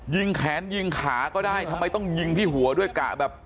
ยิงแขนยิงขาก็ได้ทำไมต้องยิงที่หัวด้วยกะแบบ